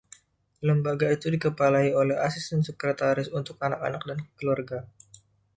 Lembaga itu dikepalai oleh Asisten Sekretaris untuk Anak-anak dan Keluarga.